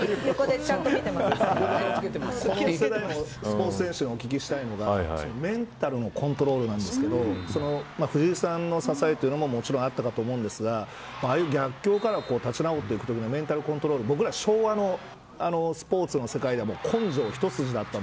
この世代のスポーツ選手にお聞きしたいのがメンタルのコントロールなんですけど藤井さんの支えもあったかと思うんですが逆境から立ち直っていくときのメンタルコントロールって僕ら昭和のスポーツの世界は根性一筋でした。